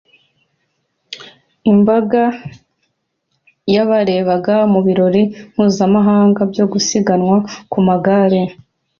imbaga yabarebaga mu birori mpuzamahanga byo gusiganwa ku magare